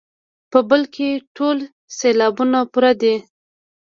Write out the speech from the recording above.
په بل کې ټول سېلابونه پوره دي.